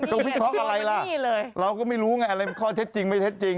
วิเคราะห์อะไรล่ะเราก็ไม่รู้ไงอะไรมันข้อเท็จจริงไม่เท็จจริง